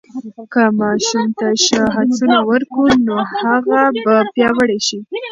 که ماشوم ته ښه هڅونه ورکو، نو هغه به پیاوړی شي.